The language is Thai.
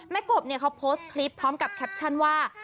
กบเนี่ยเขาโพสต์คลิปพร้อมกับแคปชั่นว่า